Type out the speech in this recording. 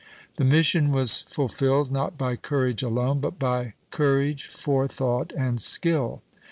The mission was fulfilled not by courage alone, but by courage, forethought, and skill.